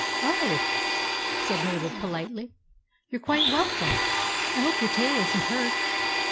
" Oh," said Mabel, politely, " you Ye quite welcome. I hope your tail is n't hurt."